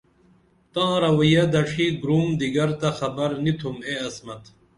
تاں رویہ دڇھی گُرُم دِگر تہ خبر نی تُم اے عصمت